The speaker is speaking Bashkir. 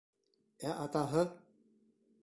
Ә атаһы?